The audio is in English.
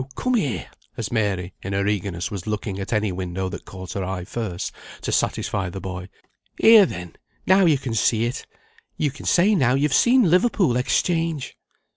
come here," as Mary, in her eagerness, was looking at any window that caught her eye first, to satisfy the boy. "Here, then, now you can see it. You can say, now, you've seen Liverpool Exchange."